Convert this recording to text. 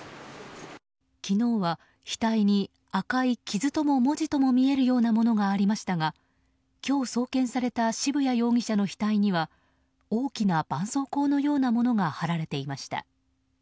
昨日は、額に赤い傷とも文字とも見えるようなものがありましたが今日、送検された渋谷容疑者の額には大きなばんそうこうのようなものが貼られていました。